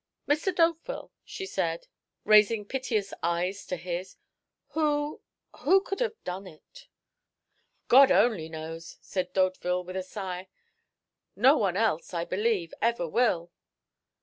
D'Hauteville," she said, raising piteous eyes to his "who who could have done it?" "God only knows!" said D'Hauteville, with a sigh. "No one else, I believe, ever will."